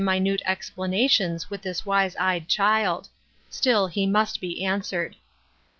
minute explanations with this wise eyed child. Still he must be answered.